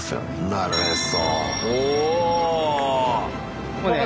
なるへそ。